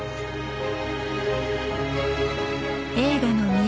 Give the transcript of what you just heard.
映画の都